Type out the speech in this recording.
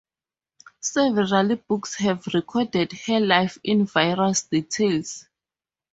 Several books have recorded her life in various details.